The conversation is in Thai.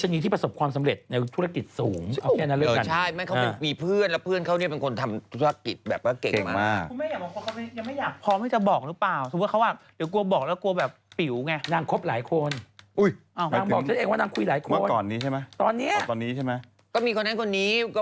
นางคบหลายคนน